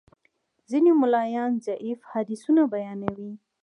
ځینې ملایان ضعیف حدیث بیانوي.